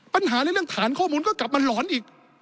ปัญหาในเรื่องฐานข้อมูลก็กลับมาหลอนอีก